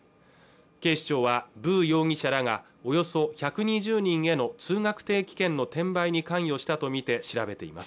警視庁はヴー容疑者らがおよそ１２０人への通学定期券の転売に関与したとみて調べています